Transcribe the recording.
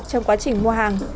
trong quá trình mua hàng